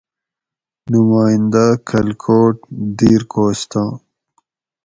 نمائندہ کھلکوٹ (دیر کوہستان)